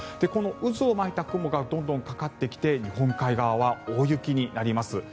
この渦を巻いた雲がどんどんかかってきて日本海側は大雪になります。